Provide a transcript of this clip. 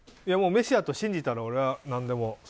メシアと信じたら俺は、何でも。